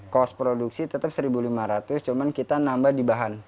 kos produksi tetap satu lima ratus cuma kita nambah di bahan